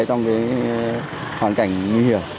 trong cái hoàn cảnh nguy hiểm